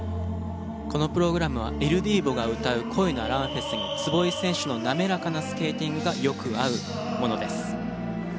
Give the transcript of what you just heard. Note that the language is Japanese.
このプログラムはイル・ディーヴォが歌う『恋のアランフェス』に壷井選手の滑らかなスケーティングがよく合うものです。